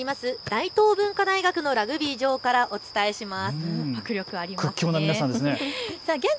大東文化大学のラグビー場からお伝えします。